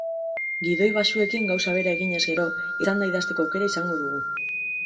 Gidoi baxuekin gauza bera eginez gero, etzanda idazteko aukera izango dugu.